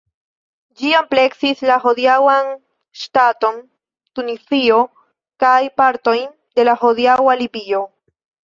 Ĝi ampleksis la hodiaŭan ŝtaton Tunizio kaj partojn de la hodiaŭa Libio.